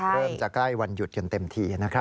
เริ่มจะใกล้วันหยุดกันเต็มทีนะครับ